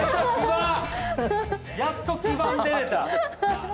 やっと基板出れた。